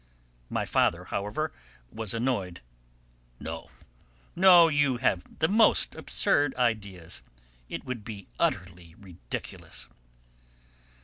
My father, however, was annoyed: "No, no; you have the most absurd ideas. It would be utterly ridiculous."